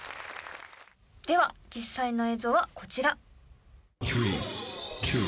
では実際の映像はこちら。